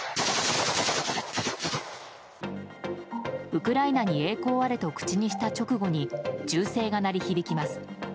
ウクライナに栄光あれと口にした直後に銃声が鳴り響きます。